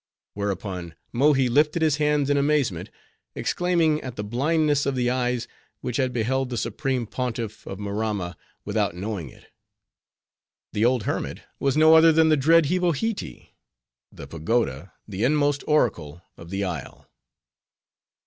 Whereupon, Mohi lifted his hands in amazement; exclaiming at the blindness of the eyes, which had beheld the supreme Pontiff of Maramma, without knowing it. The old hermit was no other than the dread Hivohitee; the pagoda, the inmost oracle of the isle.